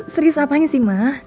serius apanya sih ma